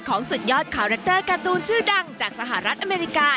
สุดยอดคาแรคเตอร์การ์ตูนชื่อดังจากสหรัฐอเมริกา